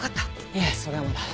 いえそれはまだ。